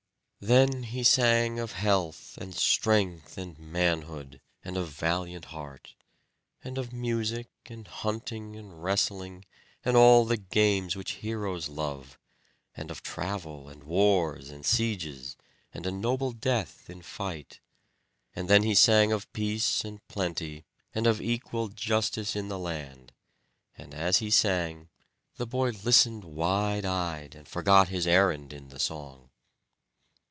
Then he sang of health, and strength, and manhood, and a valiant heart; and of music, and hunting, and wrestling, and all the games which heroes love; and of travel, and wars, and sieges, and a noble death in fight; and then he sang of peace and plenty, and of equal justice in the land; and as he sang, the boy listened wide eyed, and forgot his errand in the song.